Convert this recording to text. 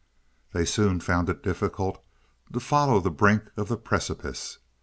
They soon found it difficult to follow the brink of the precipice.